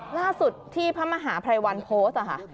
ล่าสุดที่พระมหาภัยวันโพสต์ค่ะ